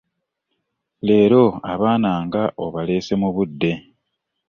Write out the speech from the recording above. Leero abaana nga obaleese mu budde.